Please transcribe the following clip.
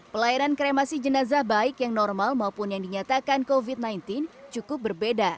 pelayanan kremasi jenazah baik yang normal maupun yang dinyatakan covid sembilan belas cukup berbeda